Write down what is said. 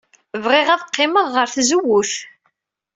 Bɣiɣ ad qqimeɣ ɣer tzewwut.